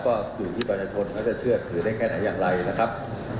ก็อยู่ที่ประชาชนเขาจะเชื่อถือได้แค่ไหนอย่างไรนะครับ